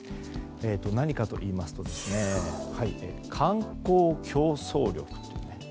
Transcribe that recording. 何かといいますと観光競争力という。